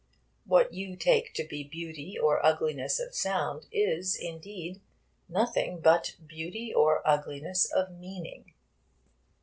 What you take to be beauty or ugliness of sound is indeed nothing but beauty or ugliness of meaning.